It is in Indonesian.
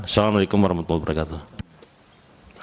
assalamu alaikum warahmatullahi wabarakatuh